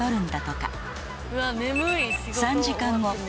［３時間後